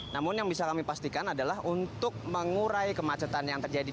namun yang bisa kami pastikan adalah untuk mengurai kemacetan yang terjadi